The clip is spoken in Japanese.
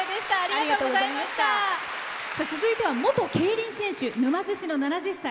続いては元競輪選手沼津市の７０歳。